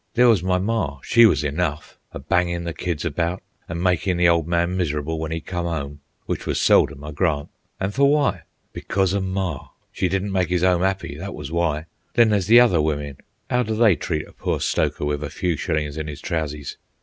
There was my mar, she was enough, a bangin' the kids about an' makin' the ole man mis'rable when 'e come 'ome, w'ich was seldom, I grant. An' fer w'y? Becos o' mar! She didn't make 'is 'ome 'appy, that was w'y. Then, there's the other wimmen, 'ow do they treat a pore stoker with a few shillin's in 'is trouseys?